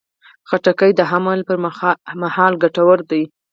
خټکی د حمل پر مهال ګټور دی.